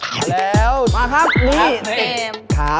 มาแล้วมาครับ